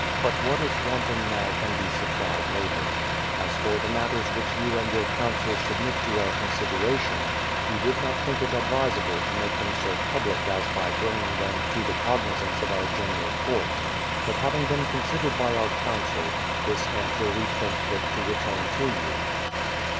But what is wanting now can be sup phed later. As for the matters which you and your Council submit to our consideration, we did not think it advisable to make them so public as by bringing them to the cognizance of our General Court. But having been considered by our Council, this answer we think fit to return to you.